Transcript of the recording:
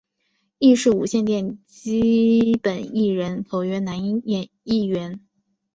亦是无线电视基本艺人合约男艺员。